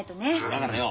だからよ